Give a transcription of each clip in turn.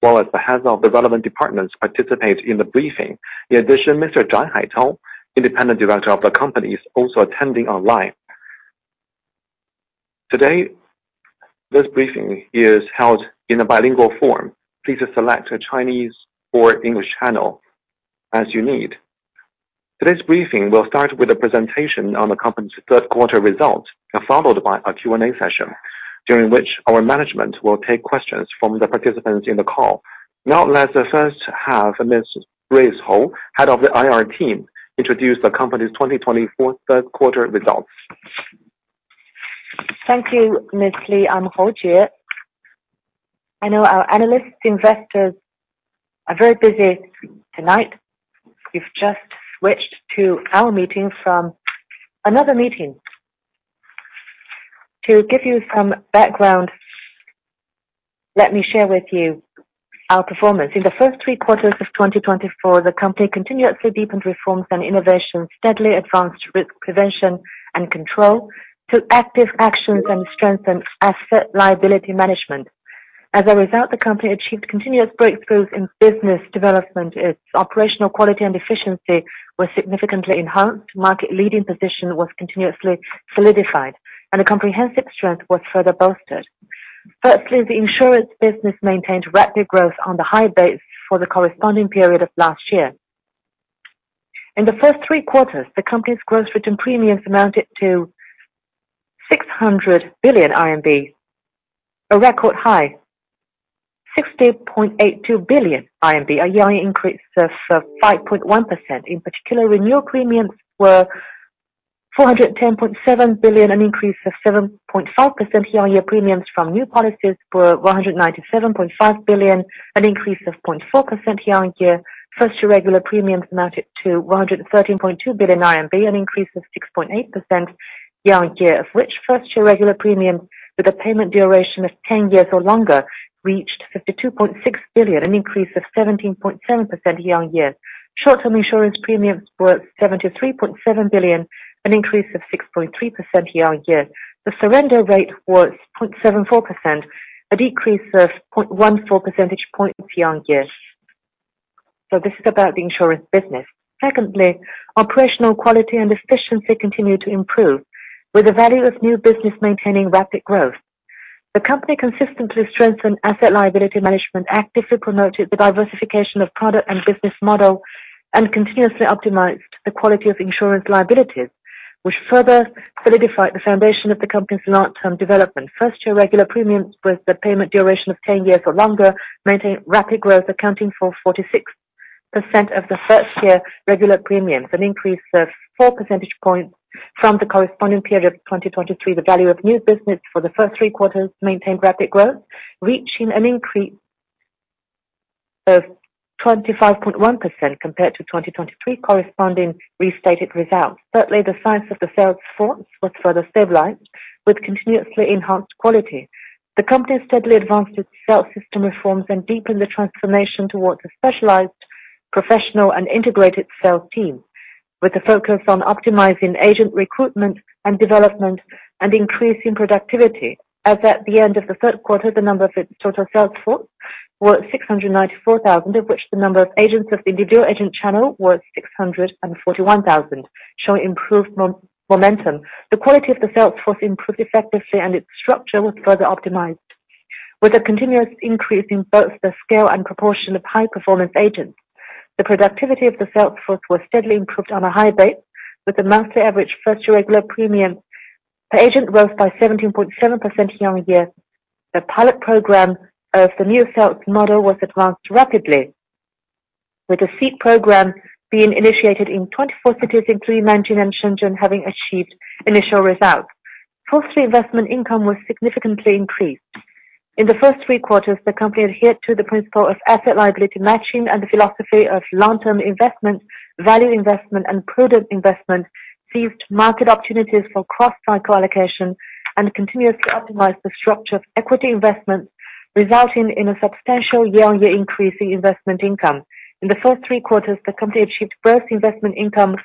With the heads of the relevant departments participating in the briefing. In addition, Mr. Zhai Haitao, independent director of the company, is also attending online. Today, this briefing is held in a bilingual form. Please select a Chinese or English channel as you need. Today's briefing will start with a presentation on the company's third-quarter results and followed by a Q&A session, during which our management will take questions from the participants in the call. Now, let's first have Ms. Grace Hou, head of the IR team, introduce the company's 2024 third-quarter results. Thank you, Ms. Liu and Hou Jin. I know our analysts, investors are very busy tonight. You've just switched to our meeting from another meeting. To give you some background, let me share with you our performance. In the first three quarters of 2024, the company continuously deepened reforms and innovations, steadily advanced risk prevention and control, took active actions, and strengthened asset liability management. As a result, the company achieved continuous breakthroughs in business development. Its operational quality and efficiency were significantly enhanced. Market-leading position was continuously solidified, and the comprehensive strength was further bolstered. Firstly, the insurance business maintained rapid growth on the high base for the corresponding period of last year. In the first three quarters, the company's gross written premiums amounted to 600 billion RMB, a record high, a year-on-year increase of 5.1%. In particular, renewal premiums were 410.7 billion, an increase of 7.5% year-on-year. Premiums from new policies were 197.5 billion, an increase of 0.4% year-on-year. First-year regular premiums amounted to 113.2 billion RMB, an increase of 6.8% year-on-year, of which first-year regular premiums with a payment duration of 10 years or longer reached 52.6 billion, an increase of 17.7% year-on-year. Short-term insurance premiums were 73.7 billion, an increase of 6.3% year-on-year. The surrender rate was 0.74%, a decrease of 0.14 percentage points year-on-year. So this is about the insurance business. Secondly, operational quality and efficiency continued to improve, with the value of new business maintaining rapid growth. The company consistently strengthened asset liability management, actively promoted the diversification of product and business model, and continuously optimized the quality of insurance liabilities, which further solidified the foundation of the company's long-term development. First-year regular premiums, with a payment duration of 10 years or longer, maintained rapid growth, accounting for 46% of the first-year regular premiums, an increase of four percentage points from the corresponding period of 2023. The value of new business for the first three quarters maintained rapid growth, reaching an increase of 25.1% compared to 2023, corresponding restated results. Thirdly, the size of the sales force was further stabilized, with continuously enhanced quality. The company steadily advanced its sales system reforms and deepened the transformation towards a specialized, professional, and integrated sales team, with a focus on optimizing agent recruitment and development and increasing productivity. As at the end of the third quarter, the number of its total sales force was 694,000, of which the number of agents of the individual agent channel was 641,000, showing improved momentum. The quality of the sales force improved effectively, and its structure was further optimized, with a continuous increase in both the scale and proportion of high-performance agents. The productivity of the sales force was steadily improved on a high base, with a monthly average first-year regular premium. The agent rose by 17.7% year-on-year. The pilot program of the new sales model was advanced rapidly, with the Seed Program being initiated in 24 cities, including Nanjing and Shenzhen, having achieved initial results. Fourth-year investment income was significantly increased. In the first three quarters, the company adhered to the principle of asset liability matching and the philosophy of long-term investment, value investment, and prudent investment, seized market opportunities for cross-cycle allocation, and continuously optimized the structure of equity investments, resulting in a substantial year-on-year increase in investment income. In the first three quarters, the company achieved gross investment income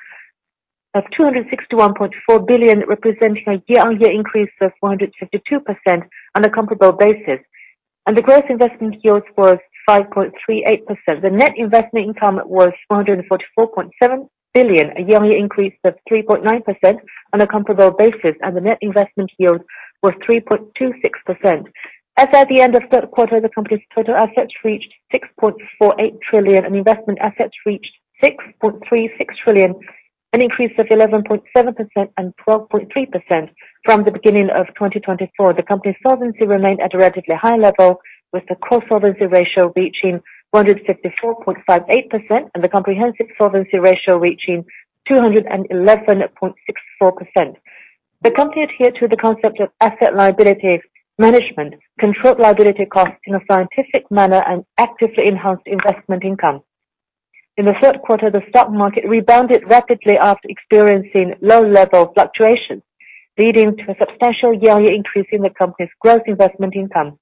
of 261.4 billion, representing a year-on-year increase of 152% on a comparable basis, and the gross investment yield was 5.38%. The net investment income was 144.7 billion, a year-on-year increase of 3.9% on a comparable basis, and the net investment yield was 3.26%. As at the end of the third quarter, the company's total assets reached 6.48 trillion, and investment assets reached 6.36 trillion, an increase of 11.7% and 12.3% from the beginning of 2024. The company's solvency remained at a relatively high level, with the core solvency ratio reaching 154.58% and the comprehensive solvency ratio reaching 211.64%. The company adhered to the concept of asset liability management, controlled liability costs in a scientific manner, and actively enhanced investment income. In the third quarter, the stock market rebounded rapidly after experiencing low-level fluctuations, leading to a substantial year-on-year increase in the company's gross investment income.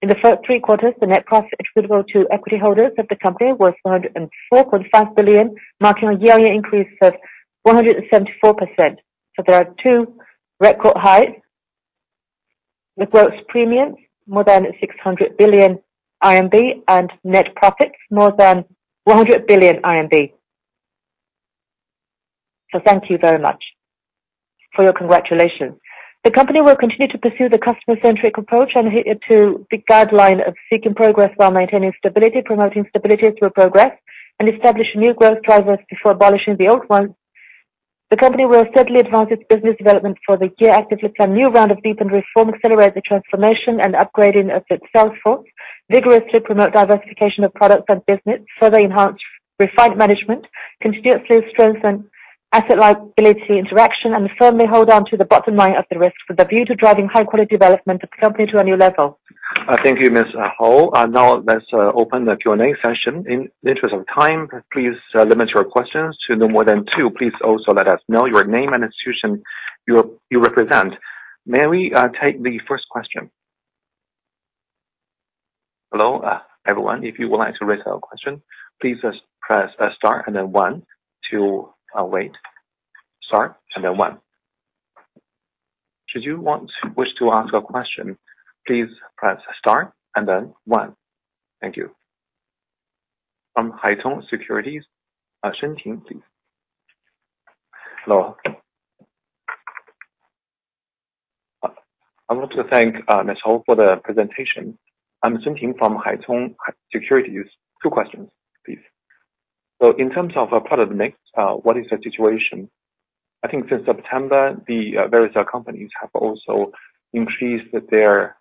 In the first three quarters, the net profit attributable to equity holders of the company was 104.5 billion, marking a year-on-year increase of 174%. So there are two record highs: the gross premiums, more than 600 billion RMB, and net profits, more than 100 billion RMB. So thank you very much for your congratulations. The company will continue to pursue the customer-centric approach and adhere to the guideline of seeking progress while maintaining stability, promoting stability through progress, and establish new growth drivers before abolishing the old ones. The company will steadily advance its business development for the year, actively plan a new round of deepened reform, accelerate the transformation and upgrading of its sales force, vigorously promote diversification of products and business, further enhance refined management, continuously strengthen asset liability interaction, and firmly hold on to the bottom line of the risk with a view to driving high-quality development of the company to a new level. Thank you, Ms. Hou. Now, let's open the Q&A session. In the interest of time, please limit your questions to no more than two. Please also let us know your name and institution you represent. May we take the first question? Hello everyone. If you would like to raise a question, please press star and then one. To wait, star and then one. Should you wish to ask a question, please press star and then one. Thank you. From China Merchants Securities, Zheng Jisha, please. Hello. I want to thank Ms. Hou for the presentation. I'm Zheng Jisha from China Merchants Securities. Two questions, please. So in terms of product mix, what is the situation? I think since September, the various companies have also increased their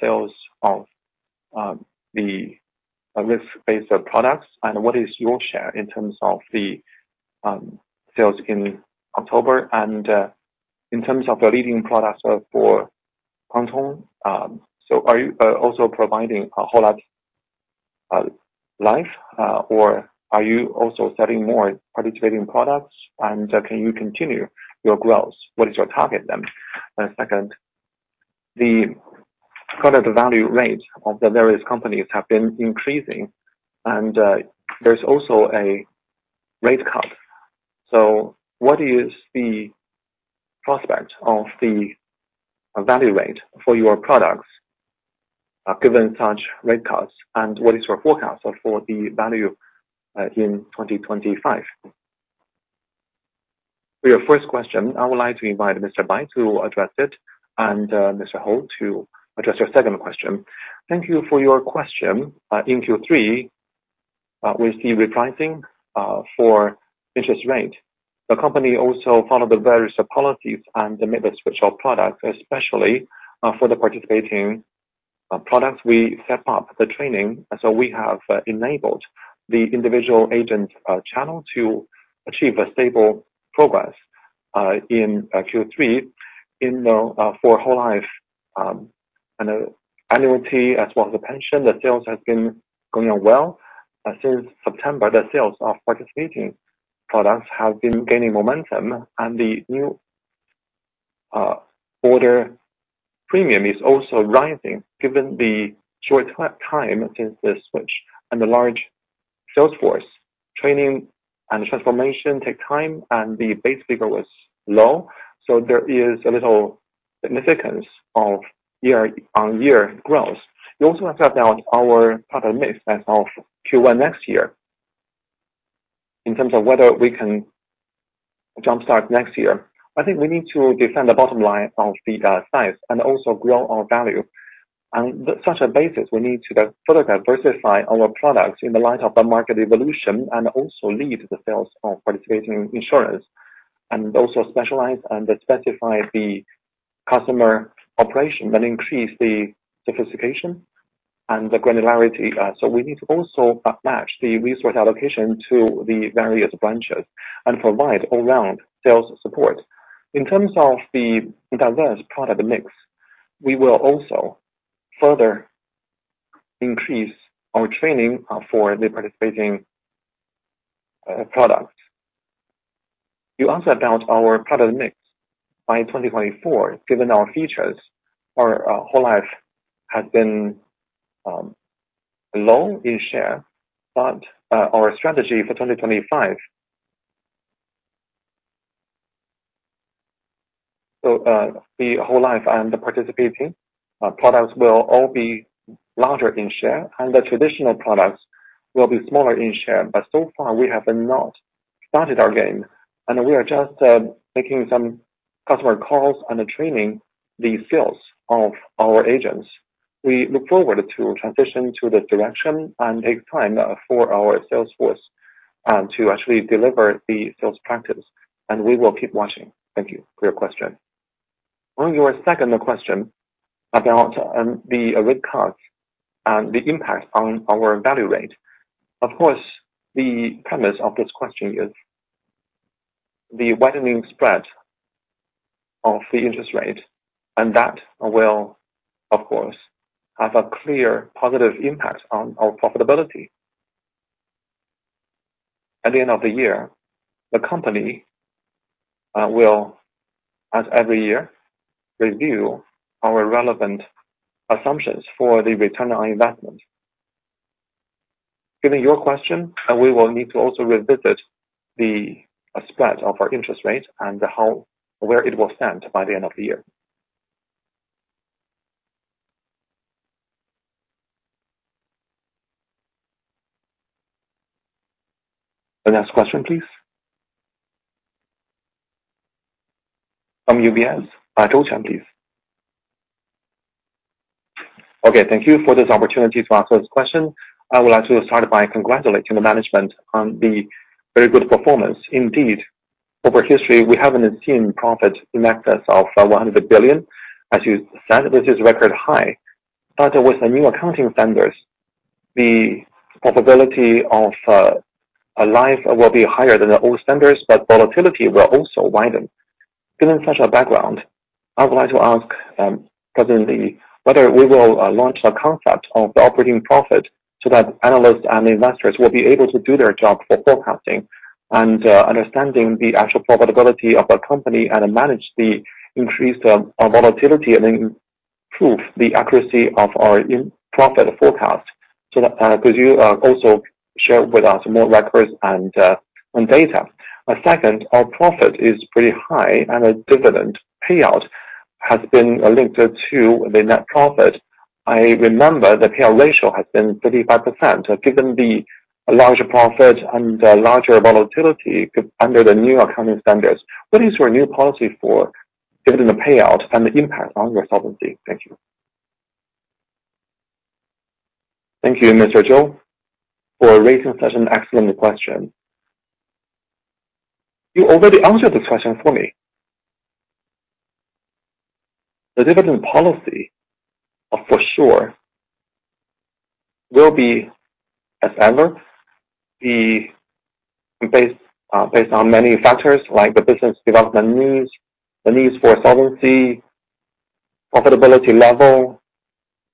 sales of the risk-based products. And what is your share in terms of the sales in October? In terms of the leading products for Guangdong, so are you also providing whole life, or are you also selling more participating products? And can you continue your growth? What is your target then? And second, the product value rate of the various companies has been increasing, and there's also a rate cut. So what is the prospect of the value rate for your products given such rate cuts? And what is your forecast for the value in 2025? For your first question, I would like to invite Mr. Bai to address it, and Ms. Hou to address your second question. Thank you for your question. In Q3, we see repricing for interest rate. The company also followed the various policies and made the switch of products, especially for the participating products. We stepped up the training, and so we have enabled the individual agent channel to achieve a stable progress in Q3. In the whole life, annuity as well as the pension, the sales have been going well. Since September, the sales of participating products have been gaining momentum, and the new order premium is also rising given the short time since the switch and the large sales force. Training and transformation take time, and the base figure was low, so there is a little significance of year-on-year growth. You also have to have our product mix as of Q1 next year. In terms of whether we can jump-start next year, I think we need to defend the bottom line of the size and also grow our value. On such a basis, we need to further diversify our products in the light of the market evolution and also lead the sales of participating insurance, and also specialize and specify the customer operation and increase the sophistication and the granularity. So we need to also match the resource allocation to the various branches and provide all-round sales support. In terms of the diverse product mix, we will also further increase our training for the participating products. You also have to have our product mix by 2024. Given our features, our whole life has been low in share, but our strategy for 2025, so the whole life and the participating products will all be larger in share, and the traditional products will be smaller in share. But so far, we have not started our game, and we are just making some customer calls and training the skills of our agents. We look forward to transitioning to the direction and take time for our sales force to actually deliver the sales practice, and we will keep watching. Thank you for your question. On your second question about the rate cuts and the impact on our value rate, of course, the premise of this question is the widening spread of the interest rate, and that will, of course, have a clear positive impact on our profitability. At the end of the year, the company will, as every year, review our relevant assumptions for the return on investment. Given your question, we will need to also revisit the spread of our interest rate and where it will stand by the end of the year. The next question, please. From UBS, Zhou Zhongzheng, please. Okay, thank you for this opportunity to answer this question. I would like to start by congratulating the management on the very good performance. Indeed, over history, we haven't seen profit in excess of 100 billion. As you said, this is record high. But with the new accounting standards, the profitability of life will be higher than the old standards, but volatility will also widen. Given such a background, I would like to ask President Li whether we will launch a concept of operating profit so that analysts and investors will be able to do their job for forecasting and understanding the actual profitability of a company and manage the increased volatility and improve the accuracy of our profit forecast. So could you also share with us more records and data? Second, our profit is pretty high, and the dividend payout has been linked to the net profit. I remember the payout ratio has been 35%. Given the larger profit and larger volatility under the new accounting standards, what is your new policy for dividend payout and the impact on your solvency? Thank you. Thank you, Mr. Zhou, for raising such an excellent question. You already answered this question for me. The dividend policy, for sure, will be, as ever, based on many factors like the business development needs, the needs for solvency, profitability level,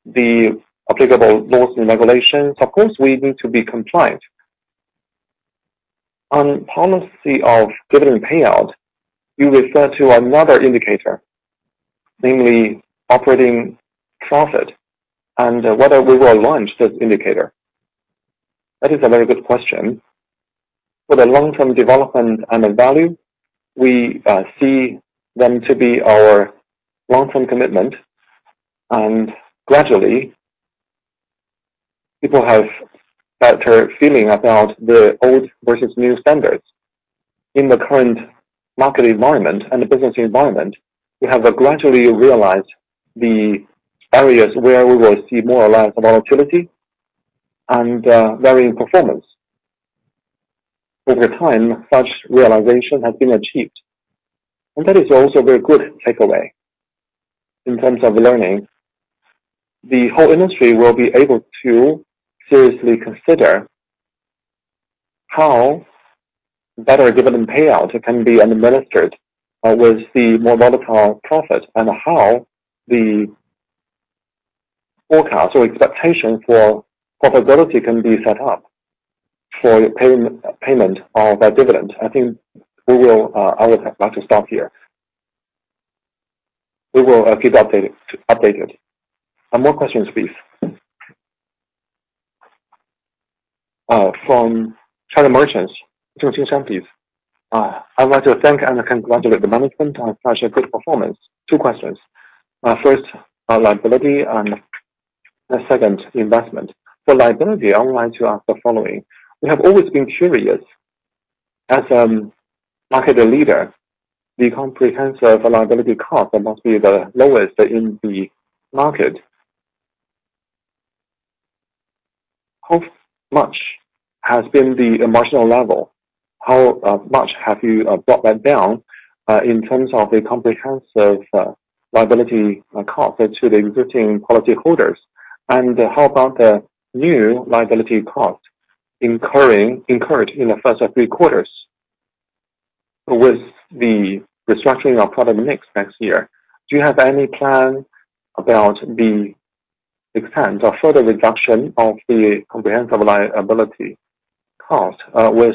the applicable laws and regulations. Of course, we need to be compliant. On policy of dividend payout, you refer to another indicator, namely operating profit, and whether we will launch this indicator. That is a very good question. For the long-term development and value, we see them to be our long-term commitment, and gradually, people have a better feeling about the old versus new standards. In the current market environment and the business environment, we have gradually realized the areas where we will see more or less volatility and varying performance. Over time, such realization has been achieved, and that is also a very good takeaway. In terms of learning, the whole industry will be able to seriously consider how better dividend payout can be administered with the more volatile profit and how the forecast or expectation for profitability can be set up for payment of dividends. I think we will, I would like to stop here. We will keep you updated. And more questions, please. From China Merchants, Zhang Xing, please. I'd like to thank and congratulate the management on such a good performance. Two questions. First, liability, and second, investment. For liability, I would like to ask the following. We have always been curious. As a market leader, the comprehensive liability cost must be the lowest in the market. How much has been the marginal level? How much have you brought that down in terms of the comprehensive liability cost to the existing policyholders? And how about the new liability cost incurred in the first three quarters with the restructuring of product mix next year? Do you have any plan about the extent of further reduction of the comprehensive liability cost with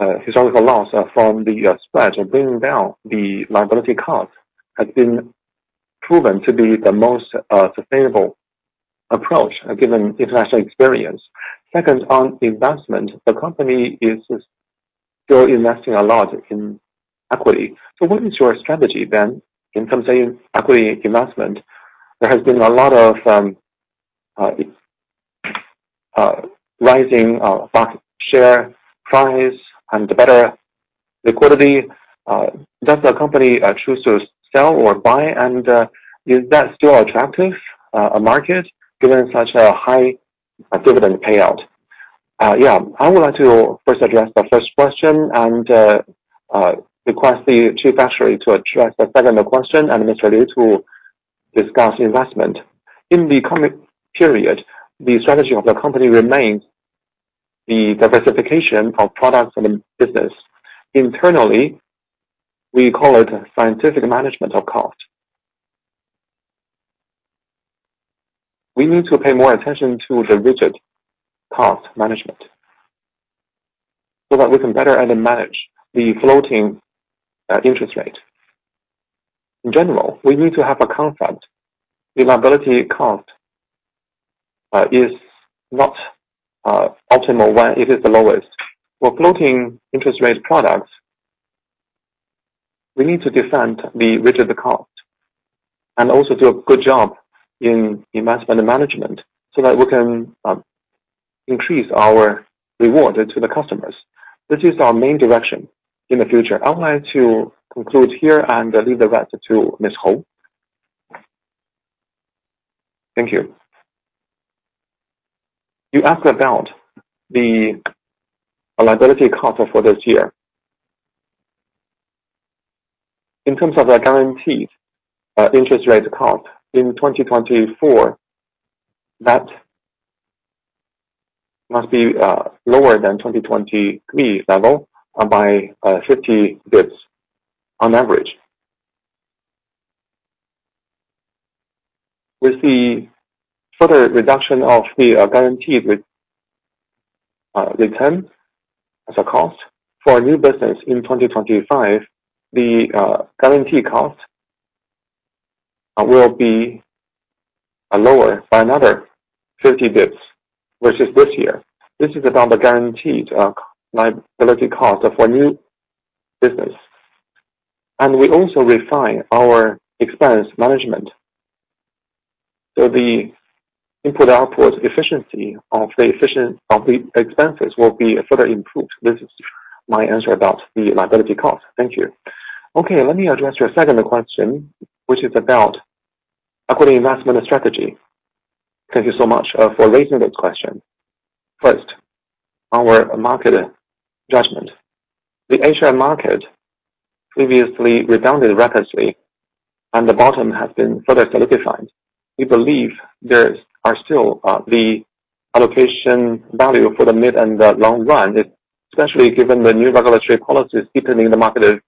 the historical loss from the spread? Bringing down the liability cost has been proven to be the most sustainable approach given international experience. Second, on investment, the company is still investing a lot in equity. So what is your strategy then in terms of equity investment? There has been a lot of rising share price and better liquidity. Does the company choose to sell or buy, and is that still attractive in the market given such a high dividend payout? Yeah, I would like to first address the first question and request the two executives to address the second question, and Mr. Li to discuss investment. In the coming period, the strategy of the company remains the diversification of products and business. Internally, we call it scientific management of cost. We need to pay more attention to the rigid cost management so that we can better manage the floating interest rate. In general, we need to have a concept. The liability cost is not optimal when it is the lowest. For floating interest rate products, we need to defend the rigid cost and also do a good job in investment management so that we can increase our reward to the customers. This is our main direction in the future. I would like to conclude here and leave the rest to Ms. Hou. Thank you. You asked about the liability cost for this year. In terms of the guaranteed interest rate cost in 2024, that must be lower than 2023 level by 50 bps on average. With the further reduction of the guaranteed return as a cost for new business in 2025, the guaranteed cost will be lower by another 50 bps versus this year. This is about the guaranteed liability cost for new business. And we also refine our expense management. So the input-output efficiency of the expenses will be further improved. This is my answer about the liability cost. Thank you. Okay, let me address your second question, which is about equity investment strategy. Thank you so much for raising this question. First, our market judgment. The Asia market previously rebounded rapidly, and the bottom has been further solidified. We believe there are still the allocation value for the mid and the long run, especially given the new regulatory policies deepening the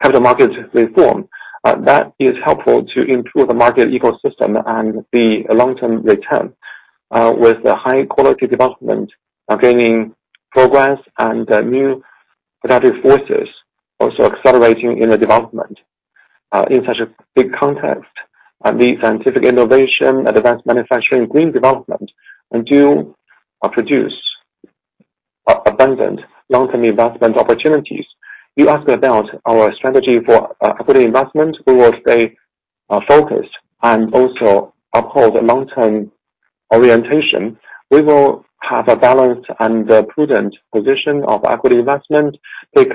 capital market reform. That is helpful to improve the market ecosystem and the long-term return with high-quality development, gaining progress and new productive forces, also accelerating in the development. In such a big context, the scientific innovation, advanced manufacturing, green development do produce abundant long-term investment opportunities. You asked about our strategy for equity investment. We will stay focused and also uphold a long-term orientation. We will have a balanced and prudent position of equity investment, take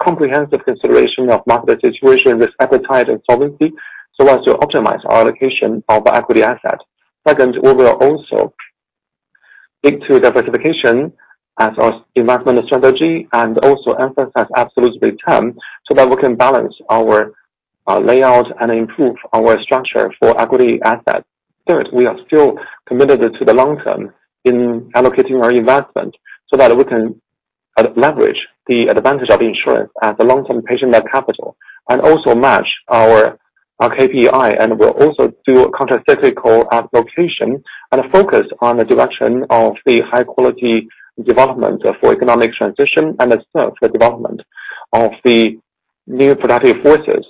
comprehensive consideration of market situation, risk appetite, and solvency so as to optimize our allocation of equity assets. Second, we will also stick to diversification as our investment strategy and also emphasize absolute return so that we can balance our layout and improve our structure for equity assets. Third, we are still committed to the long term in allocating our investment so that we can leverage the advantage of insurance as a long-term patient capital and also match our KPI, and we'll also do countercyclical allocation and focus on the direction of the high-quality development for economic transition and serve the development of the new productive forces.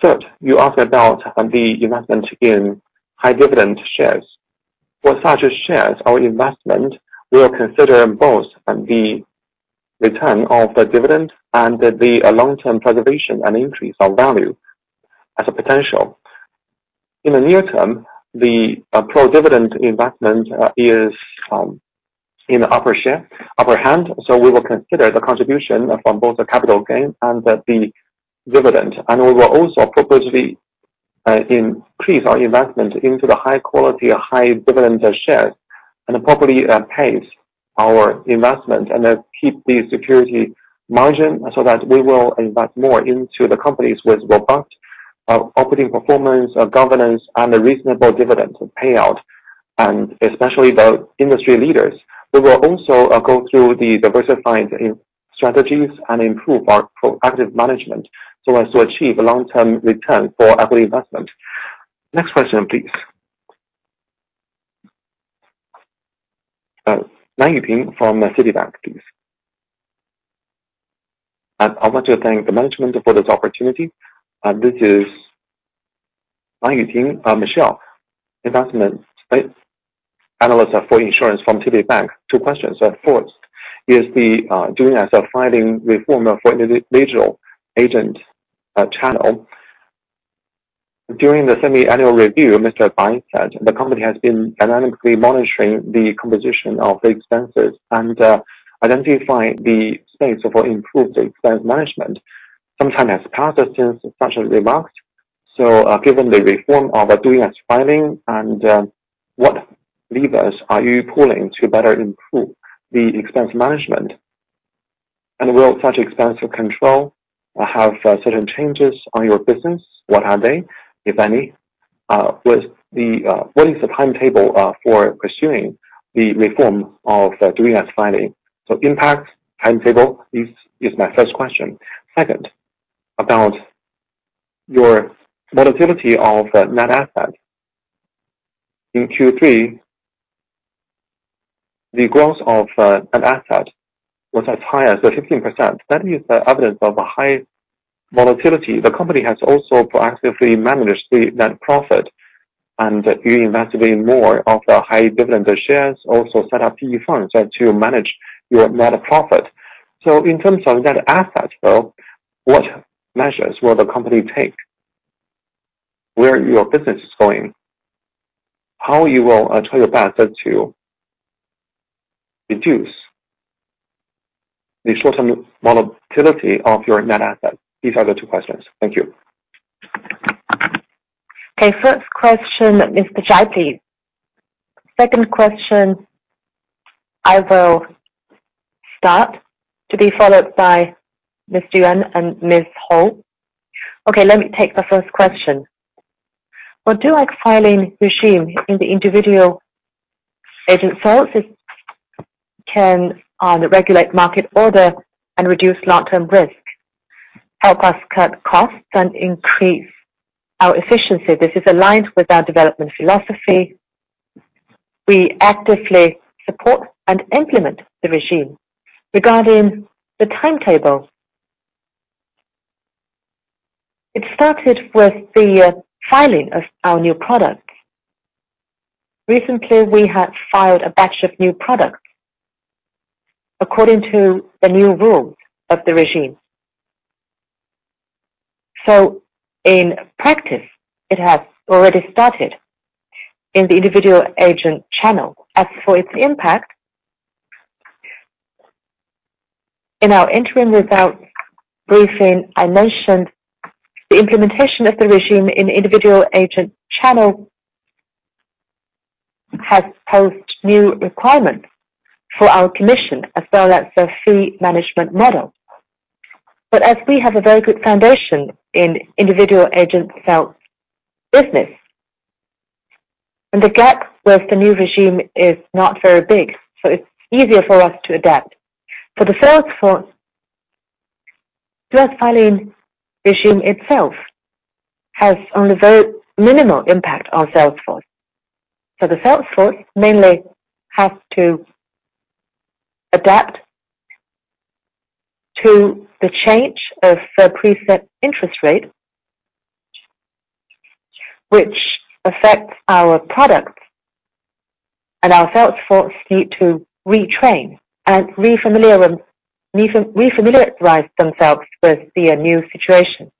Third, you asked about the investment in high-dividend shares. For such shares, our investment will consider both the return of the dividend and the long-term preservation and increase of value as a potential. In the near term, the pro-dividend investment is in the upper hand, so we will consider the contribution from both the capital gain and the dividend. And we will also appropriately increase our investment into the high-quality, high-dividend shares and properly pace our investment and keep the security margin so that we will invest more into the companies with robust operating performance, governance, and reasonable dividend payout, and especially the industry leaders. We will also go through the diversified strategies and improve our proactive management so as to achieve long-term return for equity investment. Next question, please. Lan Yuting from Citibank, please. I would like to thank the management for this opportunity. This is Lan Yuting, Michelle, investment analyst for insurance from Citibank. Two questions. First, is the Do-as-Filed reform for individual agent channel? During the semi-annual review, Mr. Bai said the company has been dynamically monitoring the composition of expenses and identifying the space for improved expense management. Some time has passed since such remarks. Given the reform of Do-as-Filed, what levers are you pulling to better improve the expense management? And will such expense control have certain changes on your business? What are they, if any? What is the timetable for pursuing the reform of Do-as-Filed? Impact timetable is my first question. Second, about your volatility of net assets. In Q3, the growth of net assets was as high as 15%. That is evidence of a high volatility. The company has also proactively managed the net profit, and you invested in more of the high-dividend shares, also set up PE funds to manage your net profit. In terms of net assets, though, what measures will the company take? Where are your businesses going? How will you try your best to reduce the short-term volatility of your net assets? These are the two questions. Thank you. Okay, first question, Mr. Zhang, please. Second question, I will start to be followed by Ms. Yuan and Ms. Hou. Okay, let me take the first question. The filing regime in the individual agent channel can regulate market order and reduce long-term risk, help us cut costs, and increase our efficiency. This is aligned with our development philosophy. We actively support and implement the regime. Regarding the timetable, it started with the filing of our new products. Recently, we had filed a batch of new products according to the new rules of the regime. In practice, it has already started in the individual agent channel. As for its impact, in our interim results briefing, I mentioned the implementation of the regime in individual agent channel has posed new requirements for our commission as well as the fee management model. But as we have a very good foundation in individual agent sales business, the gap with the new regime is not very big, so it's easier for us to adapt. For the sales force, does filing regime itself have only very minimal impact on sales force? So the sales force mainly has to adapt to the change of the preset interest rate, which affects our products, and our sales force need to retrain and refamiliarize themselves with the new situation.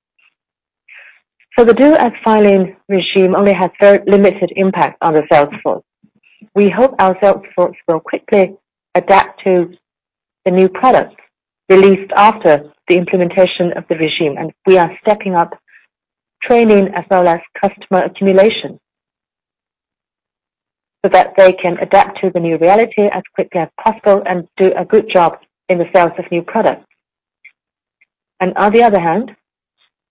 So the Do-as-Filed regime only has very limited impact on the sales force. We hope our sales force will quickly adapt to the new products released after the implementation of the regime, and we are stepping up training as well as customer accumulation so that they can adapt to the new reality as quickly as possible and do a good job in the sales of new products. And on the other hand,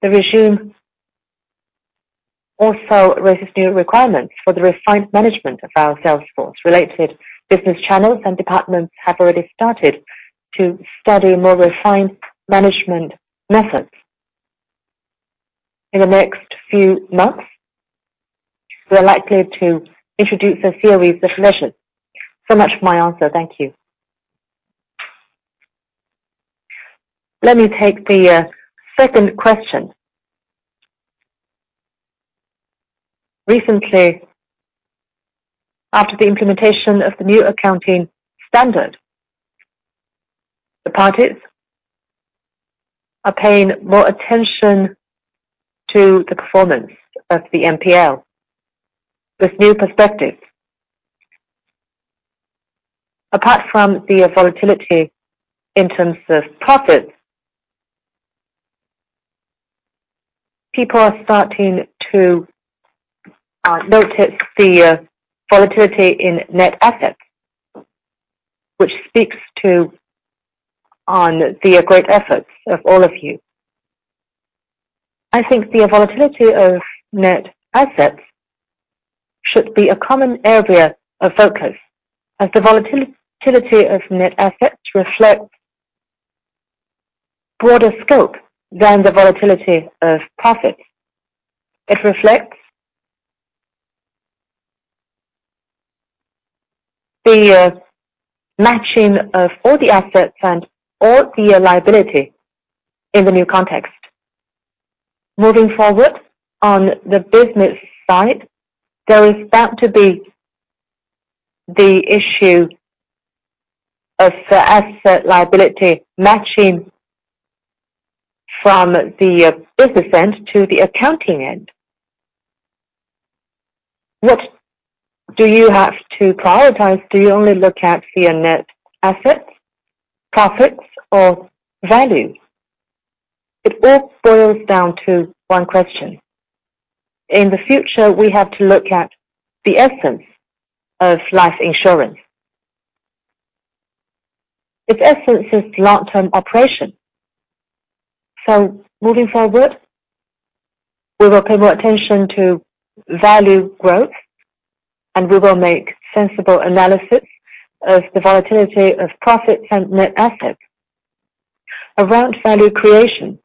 the regime also raises new requirements for the refined management of our sales force. Related business channels and departments have already started to study more refined management methods. In the next few months, we are likely to introduce a series of measures. So much for my answer. Thank you. Let me take the second question. Recently, after the implementation of the new accounting standard, the parties are paying more attention to the performance of the P&L with new perspectives. Apart from the volatility in terms of profits, people are starting to notice the volatility in net assets, which speaks to the great efforts of all of you. I think the volatility of net assets should be a common area of focus as the volatility of net assets reflects a broader scope than the volatility of profits. It reflects the matching of all the assets and all the liability in the new context. Moving forward on the business side, there is bound to be the issue of asset liability matching from the business end to the accounting end. What do you have to prioritize? Do you only look at the net assets, profits, or value? It all boils down to one question. In the future, we have to look at the essence of life insurance. Its essence is long-term operation. So moving forward, we will pay more attention to value growth, and we will make sensible analysis of the volatility of profits and net assets. Around value creation,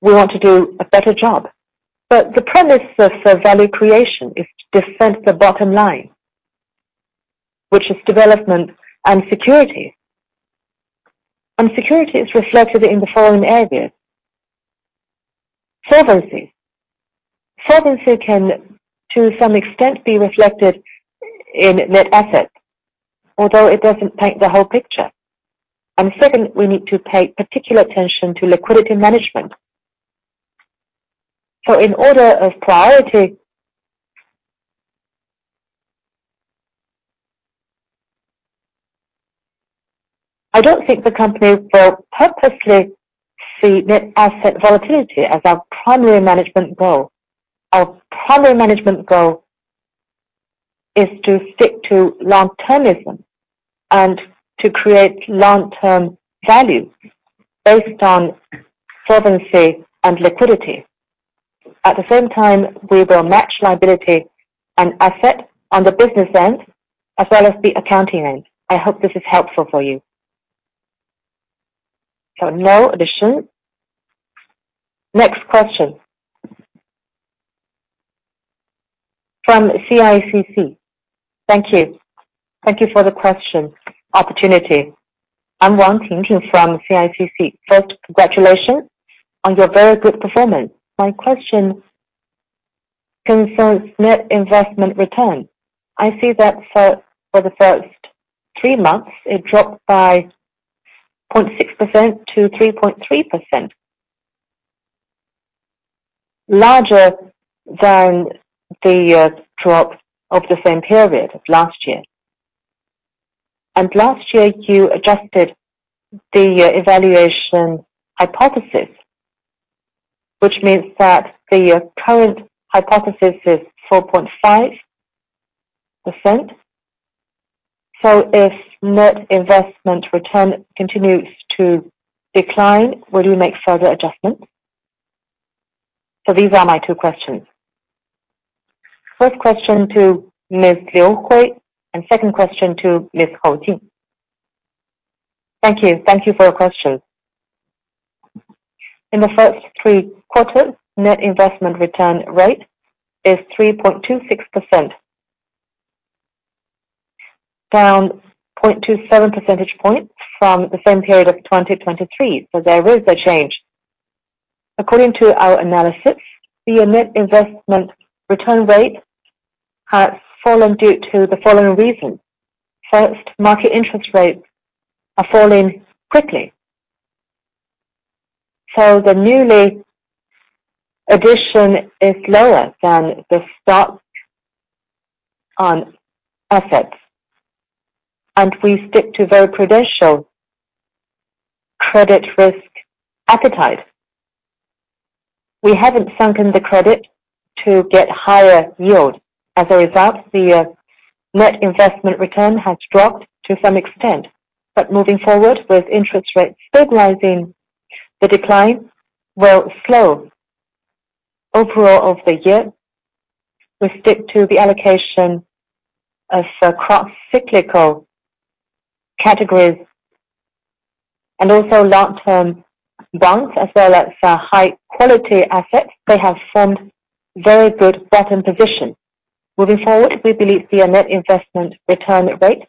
we want to do a better job. But the premise of value creation is to defend the bottom line, which is development and security. And security is reflected in the following areas: solvency. Solvency can, to some extent, be reflected in net assets, although it doesn't paint the whole picture. And second, we need to pay particular attention to liquidity management. So in order of priority, I don't think the company will purposely see net asset volatility as our primary management goal. Our primary management goal is to stick to long-termism and to create long-term value based on solvency and liquidity. At the same time, we will match liability and asset on the business end as well as the accounting end. I hope this is helpful for you. So no addition. Next question. From CICC. Thank you. Thank you for the question opportunity. I'm Wang Ting from CICC. First, congratulations on your very good performance. My question concerns net investment return. I see that for the first three months, it dropped by 0.6% to 3.3%, larger than the drop of the same period of last year. And last year, you adjusted the evaluation hypothesis, which means that the current hypothesis is 4.5%. So if net investment return continues to decline, will you make further adjustments? So these are my two questions. First question to Ms. Liu Hui and second question to Ms. Hou Jin. Thank you. Thank you for your questions. In the first three quarters, net investment return rate is 3.26%, down 0.27 percentage points from the same period of 2023. So there is a change. According to our analysis, the net investment return rate has fallen due to the following reasons. First, market interest rates are falling quickly. So the newly addition is lower than the stock on assets. And we stick to very prudential credit risk appetite. We haven't sunk the credit to get higher yield. As a result, the net investment return has dropped to some extent. But moving forward, with interest rates stabilizing, the decline will slow overall of the year. We stick to the allocation of cross-cyclical categories and also long-term bonds as well as high-quality assets. They have formed very good bottom position. Moving forward, we believe the net investment return rate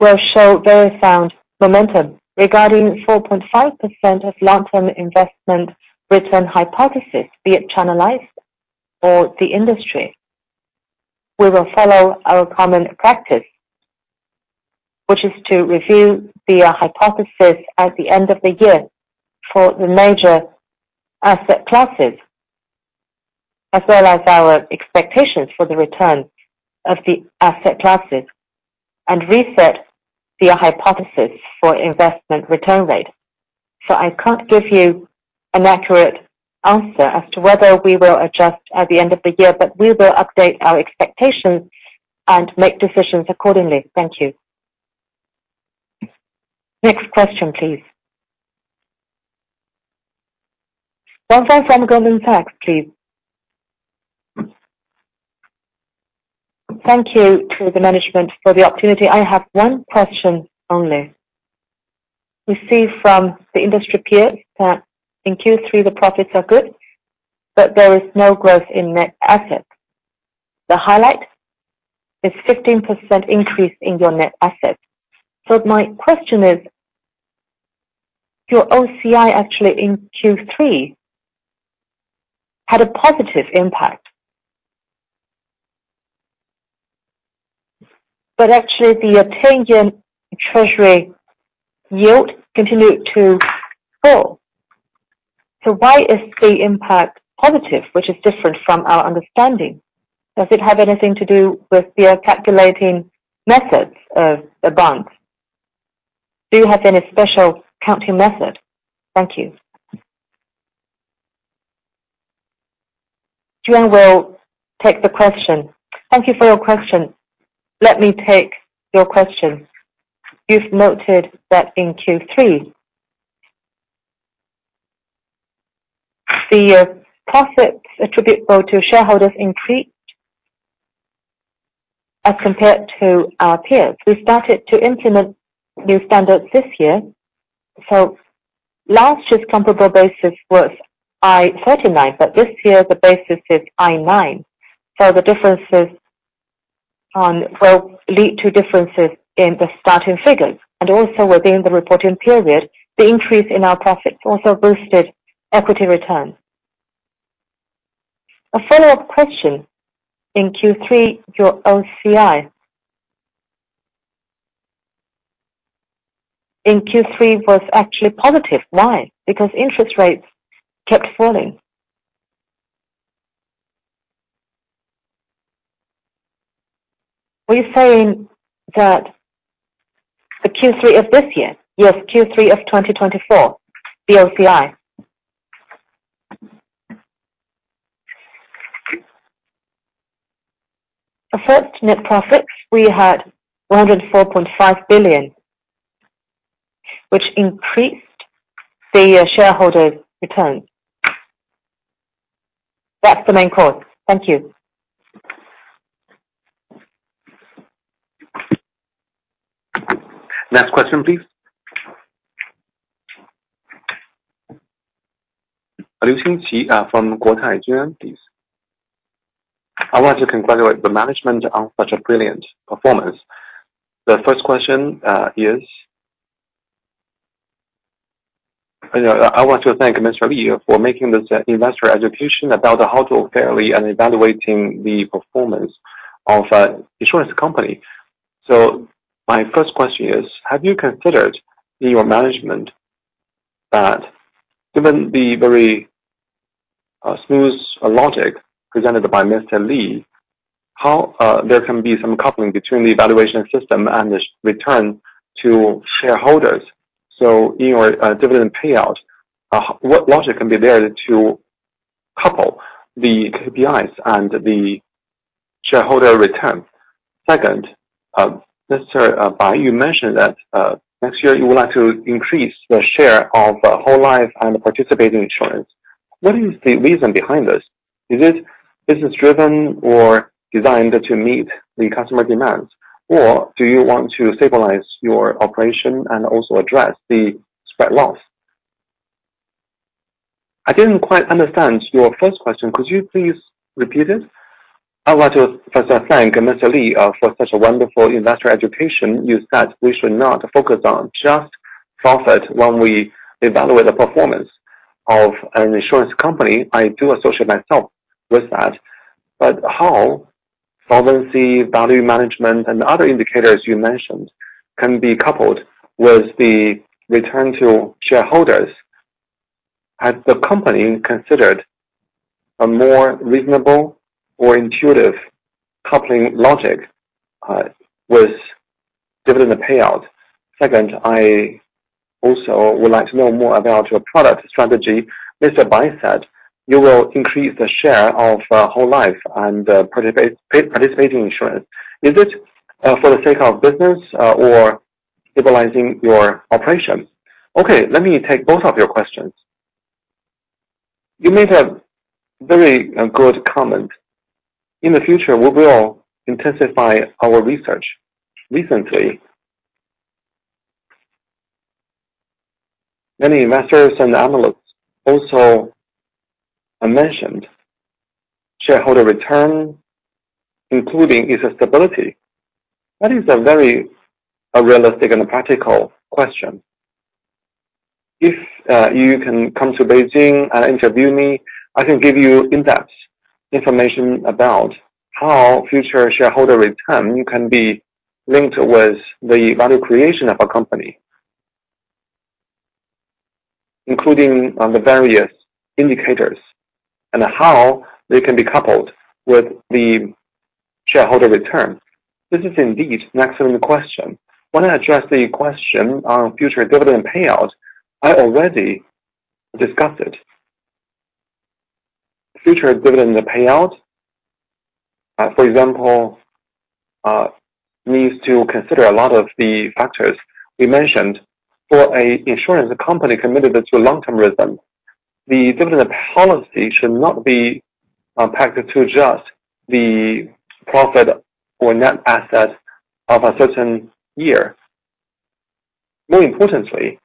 will show very sound momentum. Regarding 4.5% of long-term investment return hypothesis, be it channelized or the industry, we will follow our common practice, which is to review the hypothesis at the end of the year for the major asset classes as well as our expectations for the return of the asset classes and reset the hypothesis for investment return rate. So I can't give you an accurate answer as to whether we will adjust at the end of the year, but we will update our expectations and make decisions accordingly. Thank you. Next question, please. Wang Fei from Goldman Sachs, please. Thank you to the management for the opportunity. I have one question only. We see from the industry peers that in Q3, the profits are good, but there is no growth in net assets. The highlight is a 15% increase in your net assets. So my question is, your OCI actually in Q3 had a positive impact, but actually the 10-year treasury yield continued to fall. So why is the impact positive, which is different from our understanding? Does it have anything to do with the calculating methods of the bonds? Do you have any special accounting method? Thank you. Yuan Ying will take the question. Thank you for your question. Let me take your question. You've noted that in Q3, the profits attributable to shareholders increased as compared to our peers. We started to implement new standards this year, so last year's comparable basis was IAS 39, but this year the basis is IFRS 9. So the differences will lead to differences in the starting figures. And also, within the reporting period, the increase in our profits also boosted equity returns. A follow-up question. In Q3, your OCI in Q3 was actually positive. Why? Because interest rates kept falling. Were you saying that the Q3 of this year? Yes, Q3 of 2024, the OCI. The first net profits, we had 104.5 billion, which increased the shareholders' returns. That's the main cause. Thank you. Next question, please. Li Jian from Huatai, please? I want to congratulate the management on such a brilliant performance. The first question is, I want to thank Mr. Liu for making this investor education about how to fairly evaluate the performance of an insurance company. So my first question is, have you considered in your management that given the very smooth logic presented by Mr. Li, how there can be some coupling between the evaluation system and the return to shareholders? So in your dividend payout, what logic can be there to couple the KPIs and the shareholder return? Second, Mr. Bai, you mentioned that next year you would like to increase the share of whole life and participating insurance. What is the reason behind this? Is it business-driven or designed to meet the customer demands? Or do you want to stabilize your operation and also address the spread loss? I didn't quite understand your first question. Could you please repeat it? I want to first thank Mr. Li for such a wonderful investor education. You said we should not focus on just profit when we evaluate the performance of an insurance company. I do associate myself with that. But how solvency, value management, and other indicators you mentioned can be coupled with the return to shareholders? Has the company considered a more reasonable or intuitive coupling logic with dividend payout? Second, I also would like to know more about your product strategy. Mr. Bai said you will increase the share of whole life and participating insurance. Is it for the sake of business or stabilizing your operation? Okay. Let me take both of your questions. You made a very good comment. In the future, we will intensify our research. Recently, many investors and analysts also mentioned shareholder return, including its stability. That is a very realistic and practical question. If you can come to Beijing and interview me, I can give you in-depth information about how future shareholder return can be linked with the value creation of a company, including the various indicators, and how they can be coupled with the shareholder return. This is indeed an excellent question. When I address the question on future dividend payout, I already discussed it. Future dividend payout, for example, needs to consider a lot of the factors we mentioned. For an insurance company committed to long-termism, the dividend policy should not be pegged to just the profit or net asset of a certain year. More importantly,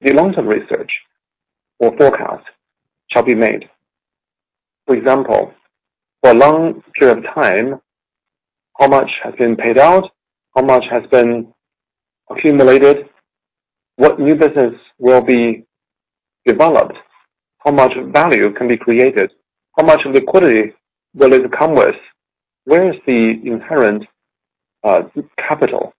the long-term research or forecast shall be made. For example, for a long period of time, how much has been paid out? How much has been accumulated? What new business will be developed? How much value can be created? How much liquidity will it come with? Where is the inherent capital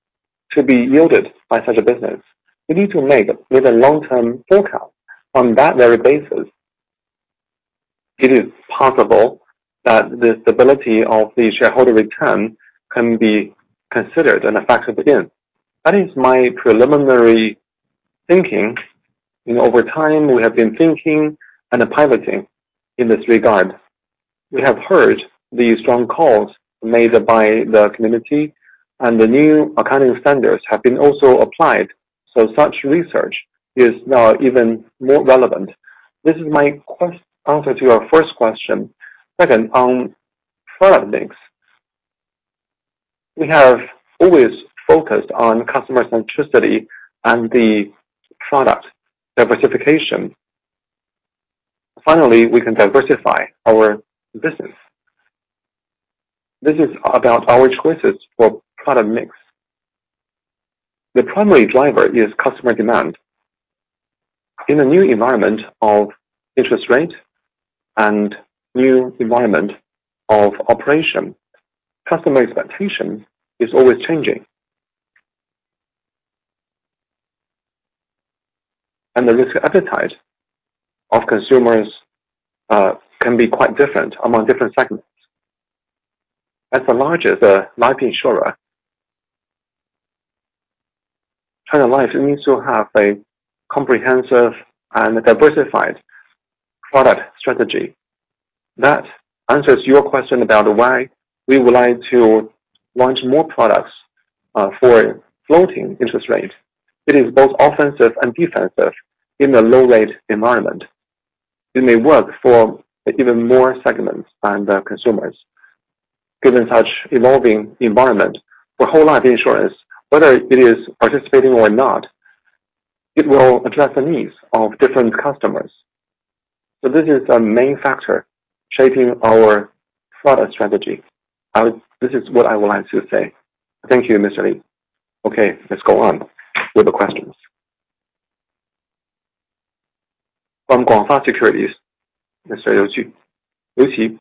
to be yielded by such a business? We need to make a long-term forecast on that very basis. It is possible that the stability of the shareholder return can be considered and affected again. That is my preliminary thinking. Over time, we have been thinking and piloting in this regard. We have heard the strong calls made by the community, and the new accounting standards have been also applied. So such research is now even more relevant. This is my answer to your first question. Second, on product lines, we have always focused on customer centricity and the product diversification. Finally, we can diversify our business. This is about our choices for product mix. The primary driver is customer demand. In a new environment of interest rate and new environment of operation, customer expectation is always changing. And the risk appetite of consumers can be quite different among different segments. As a large life insurer, China Life needs to have a comprehensive and diversified product strategy. That answers your question about why we would like to launch more products for floating interest rate. It is both offensive and defensive in a low-rate environment. It may work for even more segments and consumers. Given such evolving environment for whole life insurance, whether it is participating or not, it will address the needs of different customers. So this is a main factor shaping our product strategy. This is what I would like to say. Thank you, Mr. Li. Okay. Let's go on with the questions. From Guangfa Securities, Mr. Liu Qi.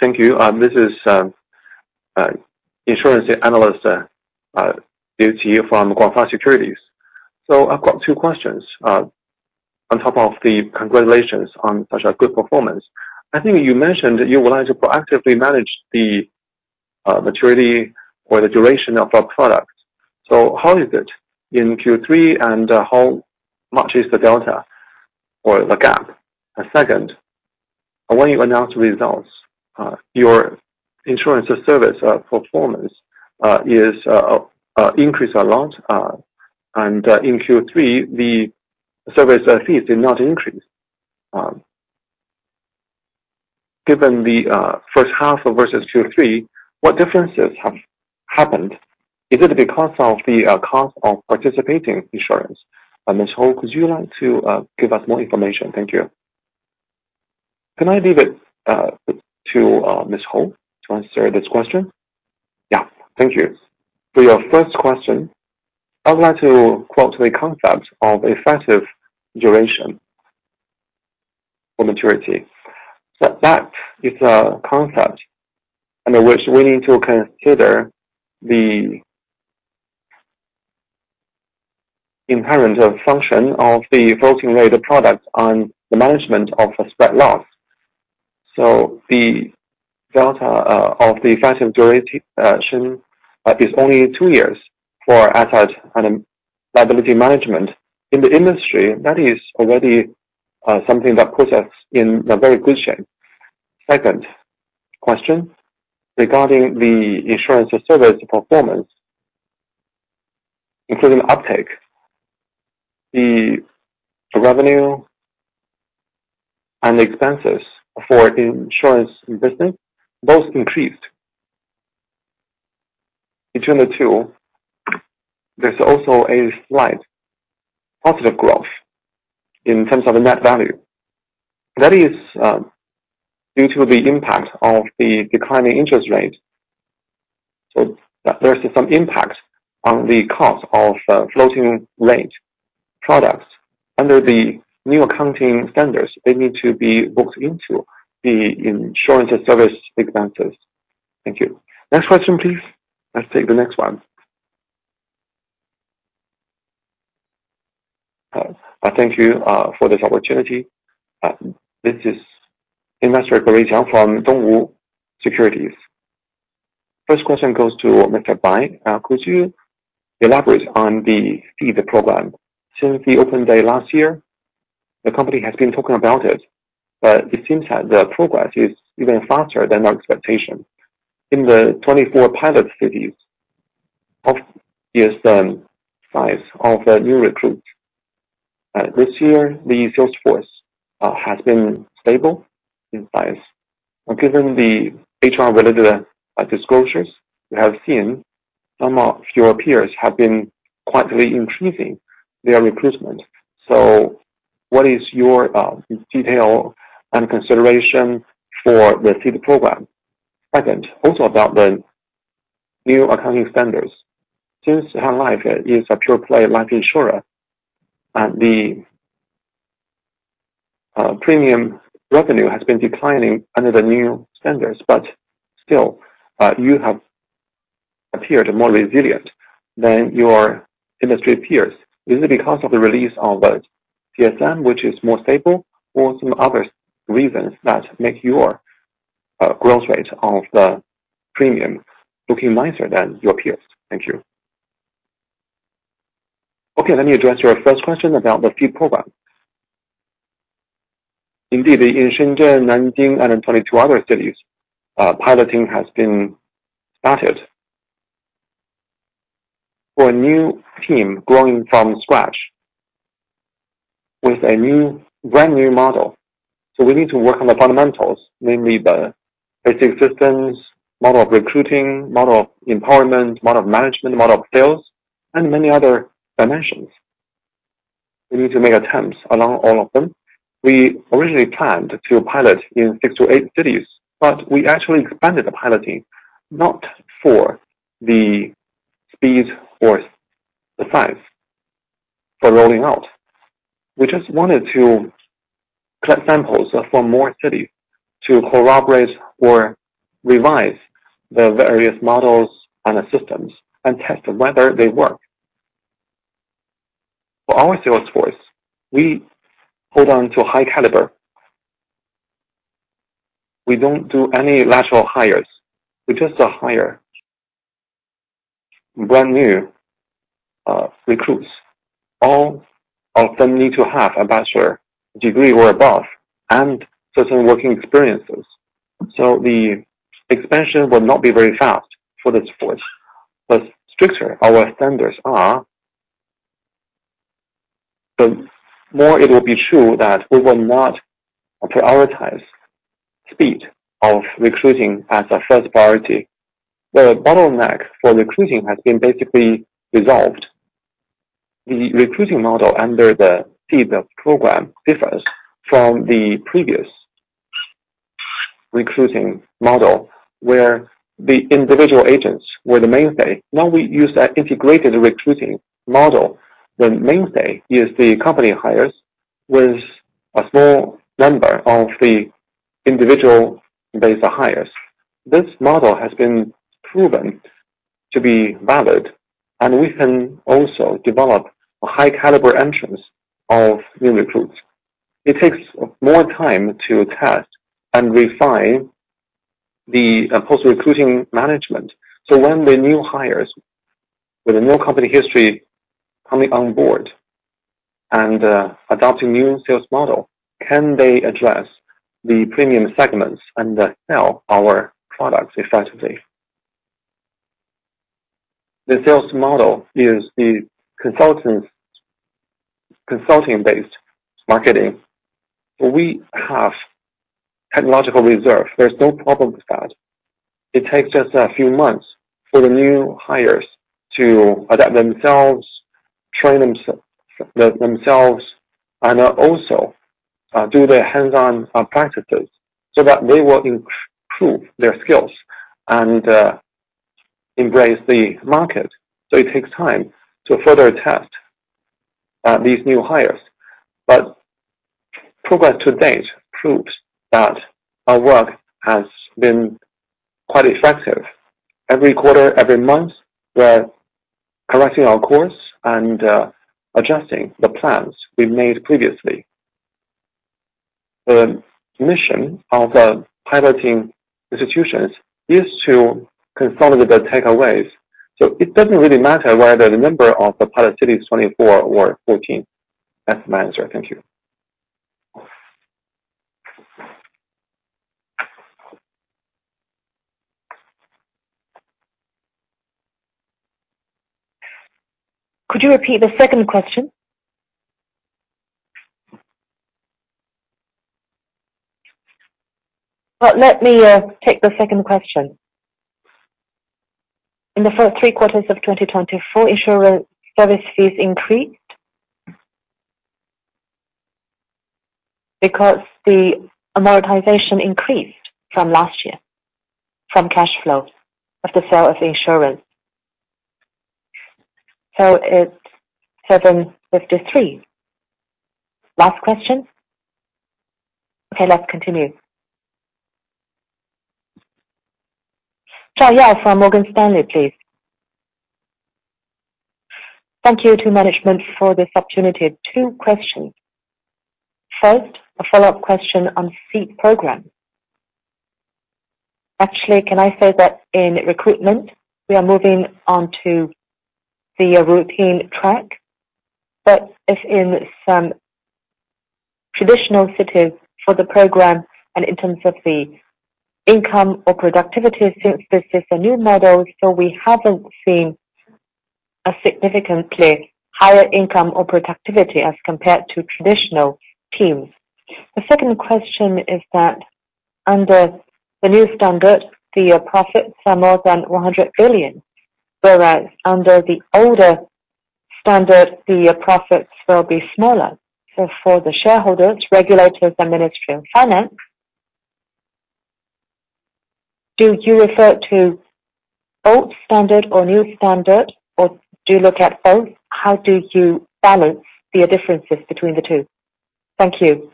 Thank you. This is insurance analyst Liu Qi from Guangfa Securities. So I've got two questions. On top of the congratulations on such a good performance, I think you mentioned you would like to proactively manage the maturity or the duration of our product. So how is it in Q3, and how much is the delta or the gap? And second, when you announce results, your insurance service performance is increased a lot. And in Q3, the service fees did not increase. Given the first half versus Q3, what differences have happened? Is it because of the cost of participating insurance? Ms. Hou, could you like to give us more information? Thank you. Can I leave it to Ms. Hou to answer this question? Yeah. Thank you. For your first question, I would like to quote the concept of effective duration for maturity. That is a concept in which we need to consider the inherent function of the floating-rate product on the management of spread loss. So the delta of the effective duration is only two years for asset and liability management. In the industry, that is already something that puts us in very good shape. Second question regarding the insurance service performance, including uptake, the revenue and expenses for insurance business, those increased. Between the two, there's also a slight positive growth in terms of net value. That is due to the impact of the declining interest rate. So there's some impact on the cost of floating-rate products. Under the new accounting standards, they need to be booked into the insurance service expenses. Thank you. Next question, please. Let's take the next one. Thank you for this opportunity. This is investor Grace Yang from Dongwu Securities. First question goes to Mr. Bai. Could you elaborate on the Seed Program? Since the open day last year, the company has been talking about it, but it seems that the progress is even faster than our expectation. In the 24 pilot cities, what is the size of the new recruits. This year, the sales force has been stable in size. Given the HR-related disclosures, we have seen some of your peers have been quietly increasing their recruitment. So what is your detailed consideration for the Seed Program? Second, also about the new accounting standards. Since China Life is a pure-play life insurer, the premium revenue has been declining under the new standards. But still, you have appeared more resilient than your industry peers. Is it because of the release of CSM, which is more stable, or some other reasons that make your growth rate of the premium looking nicer than your peers? Thank you. Okay. Let me address your first question about the Seed Program. Indeed, in Shenzhen, Nanjing, and 22 other cities, piloting has been started. For a new team growing from scratch with a brand new model, so we need to work on the fundamentals, namely the basic systems, model of recruiting, model of empowerment, model of management, model of sales, and many other dimensions. We need to make attempts along all of them. We originally planned to pilot in six to eight cities, but we actually expanded the piloting not for the speed or the size for rolling out. We just wanted to collect samples from more cities to corroborate or revise the various models and systems and test whether they work. For our sales force, we hold on to high caliber. We don't do any lateral hires. We just hire brand new recruits. All of them need to have a bachelor's degree or above and certain working experiences. So the expansion will not be very fast for this force. But stricter, our standards are, the more it will be true that we will not prioritize speed of recruiting as a first priority. The bottleneck for recruiting has been basically resolved. The recruiting model under the Seed Program differs from the previous recruiting model where the individual agents were the mainstay. Now we use an integrated recruiting model. The mainstay is the company hires with a small number of the individual base hires. This model has been proven to be valid, and we can also develop a high-caliber entrance of new recruits. It takes more time to test and refine the post-recruiting management. So when the new hires with a new company history coming on board and adopting new sales model, can they address the premium segments and sell our products effectively? The sales model is the consulting-based marketing. We have technological reserve. There's no problem with that. It takes just a few months for the new hires to adapt themselves, train themselves, and also do their hands-on practices so that they will improve their skills and embrace the market. So it takes time to further test these new hires. But progress to date proves that our work has been quite effective. Every quarter, every month, we're correcting our course and adjusting the plans we made previously. The mission of piloting institutions is to consolidate the takeaways. So it doesn't really matter whether the number of pilot cities is 24 or 14. That's my answer. Thank you. Could you repeat the second question? Let me take the second question. In the first three quarters of 2024, insurance service fees increased because the amortization increased from last year from cash flows of the sale of insurance. It is 753. Last question. Okay. Let's continue. Zhao Yao from Morgan Stanley, please. Thank you to management for this opportunity. Two questions. First, a follow-up question on Seed Program. Actually, can I say that in recruitment, we are moving on to the routine track. But if in some traditional cities for the program and in terms of the income or productivity, since this is a new model, so we haven't seen a significantly higher income or productivity as compared to traditional teams. The second question is that under the new standard, the profits are more than 100 billion, whereas under the older standard, the profits will be smaller. For the shareholders, regulators, and Ministry of Finance, do you refer to old standard or new standard, or do you look at both? How do you balance the differences between the two? Thank you.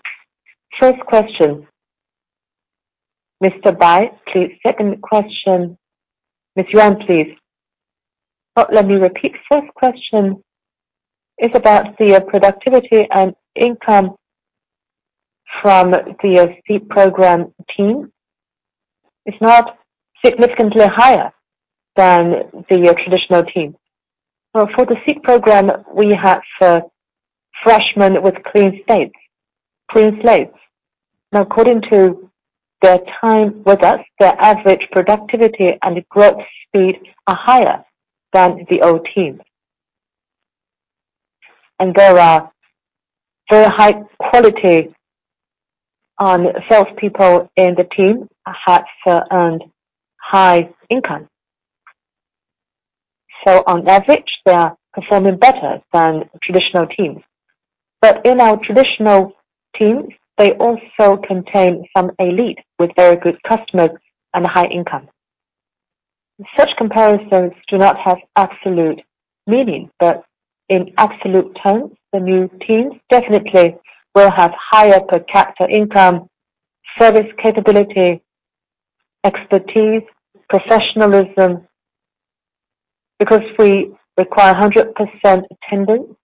First question, Mr. Bai. Second question, Ms. Yuan, please. Let me repeat. First question is about the productivity and income from the Seed Program team. It's not significantly higher than the traditional team. For the Seed Program, we have freshmen with clean slates. Now, according to their time with us, their average productivity and growth speed are higher than the old team. And there are very high quality salespeople in the team, perhaps earned high income. So on average, they are performing better than traditional teams. But in our traditional teams, they also contain some elite with very good customers and high income. Such comparisons do not have absolute meaning. But in absolute terms, the new teams definitely will have higher per capita income, service capability, expertise, professionalism because we require 100% attendance.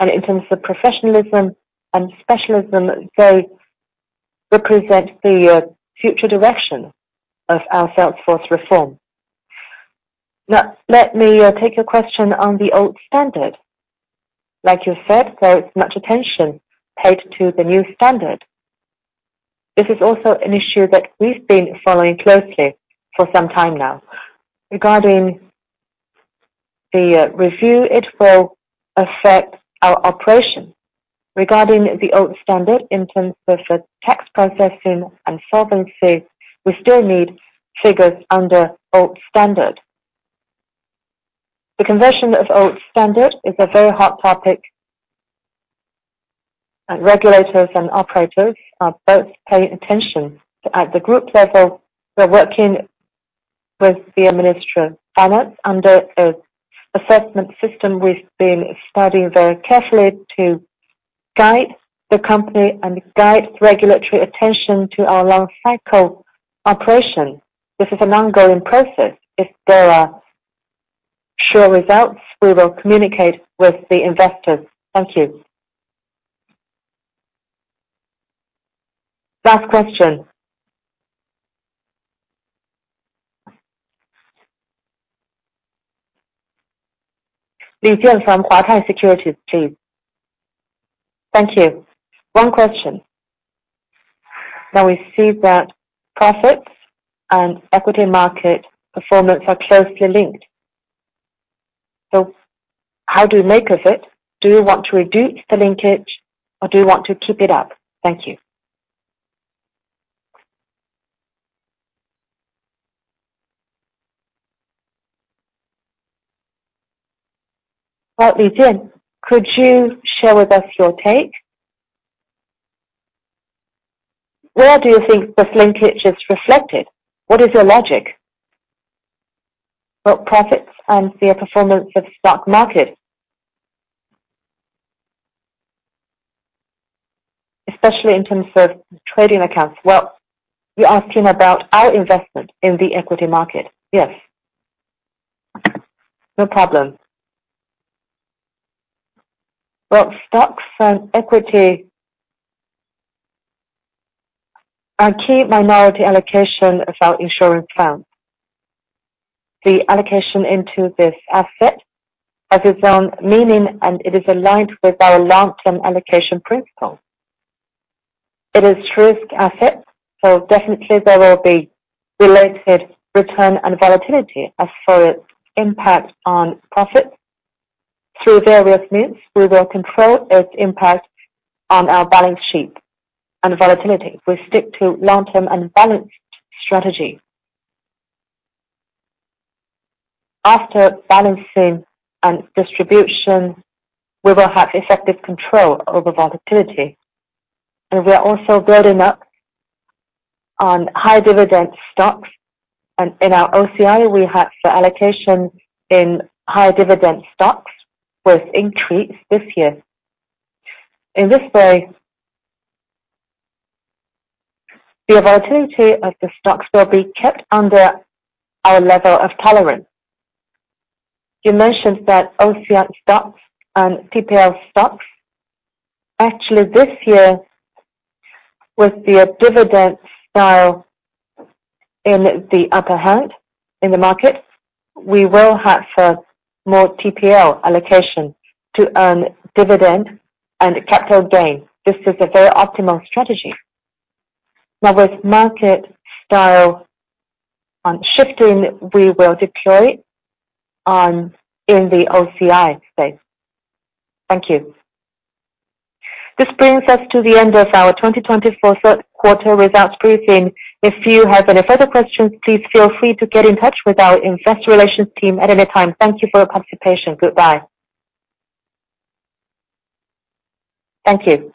And in terms of professionalism and specialism, they represent the future direction of our sales force reform. Now, let me take a question on the old standard. Like you said, there is much attention paid to the new standard. This is also an issue that we've been following closely for some time now. Regarding the review, it will affect our operation. Regarding the old standard, in terms of the tax processing and solvency, we still need figures under old standard. The conversion of old standard is a very hot topic. Regulators and operators are both paying attention. At the group level, we're working with the Ministry of Finance under an assessment system we've been studying very carefully to guide the company and guide regulatory attention to our long-cycle operation. This is an ongoing process. If there are sure results, we will communicate with the investors. Thank you. Last question. Li Jian from Huatai Securities, please. Thank you. One question. Now, we see that profits and equity market performance are closely linked. So how do you make of it? Do you want to reduce the linkage, or do you want to keep it up? Thank you. Li Jian, could you share with us your take? Where do you think this linkage is reflected? What is your logic? Profits and the performance of the stock market, especially in terms of trading accounts. Well, you're asking about our investment in the equity market. Yes. No problem. Stocks and equity are key minority allocation of our insurance funds. The allocation into this asset has its own meaning, and it is aligned with our long-term allocation principle. It is risk asset, so definitely there will be related return and volatility as far as impact on profits. Through various means, we will control its impact on our balance sheet and volatility. We stick to long-term and balanced strategy. After balancing and distribution, we will have effective control over volatility. We are also building up on high-dividend stocks. In our OCI, we have the allocation in high-dividend stocks with increase this year. In this way, the volatility of the stocks will be kept under our level of tolerance. You mentioned that OCI stocks and FVTPL stocks. Actually, this year, with the dividend style in the upper hand in the market, we will have more FVTPL allocation to earn dividend and capital gain. This is a very optimal strategy. Now, with market style shifting, we will deploy in the OCI space. Thank you. This brings us to the end of our 2024 third quarter results briefing. If you have any further questions, please feel free to get in touch with our Investor Relations team at any time. Thank you for your participation. Goodbye. Thank you.